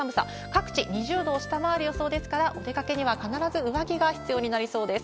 各地、２０度を下回る予想ですから、お出かけには必ず上着が必要になりそうです。